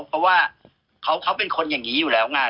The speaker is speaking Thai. เพราะว่าเขาเป็นคนอย่างนี้อยู่แล้วไง